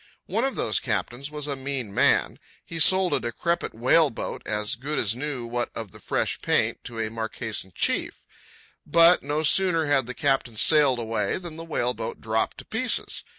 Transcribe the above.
One of those captains was a mean man. He sold a decrepit whale boat, as good as new what of the fresh white paint, to a Marquesan chief. But no sooner had the captain sailed away than the whale boat dropped to pieces.